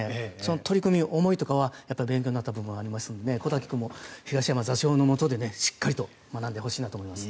取り組みとか思いとかは勉強になった部分があるので小瀧君も、東山座長の演技をしっかりと学んでほしいと思います。